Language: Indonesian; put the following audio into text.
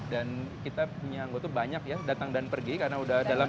dan kita punya anggota banyak ya datang dan pergi karena sudah dalam